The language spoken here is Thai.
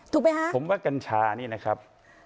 ถูกไหมฮะผมว่ากัญชานี่นะครับ